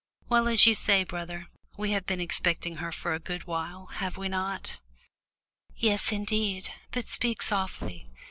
Well, as you say, brother, we have been expecting her for a good while, have we not?" "Yes, indeed, but speak softly.